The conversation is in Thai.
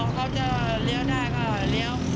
ก็จะเรียวได้เเล็จเรียว